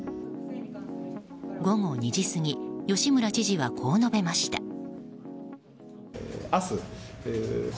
午後２時過ぎ、吉村知事はこう述べました。